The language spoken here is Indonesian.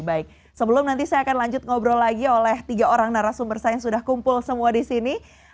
baik sebelum nanti saya akan lanjut ngobrol lagi oleh tiga orang narasumber saya yang sudah kumpul semua di sini